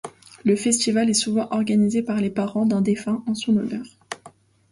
Le festival est souvent organisés par les parents d'un défunt en son honneur.